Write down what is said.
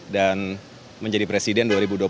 dan menjadi presiden